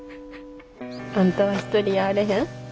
あんたは一人やあれへん。